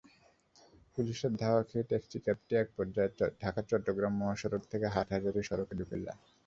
পুলিশের ধাওয়া খেয়ে টেক্সিক্যাবটি একপর্যায়ে ঢাকা-চট্টগ্রাম মহাসড়ক থেকে হাটহাজারী সড়কে ঢুকে যায়।